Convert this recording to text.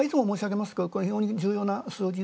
非常に重要な数字。